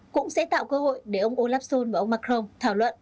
cũng sẽ tạo cơ hội để ông olaf schol và ông macron thảo luận